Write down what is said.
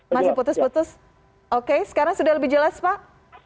masih putus putus oke sekarang sudah lebih jelas pak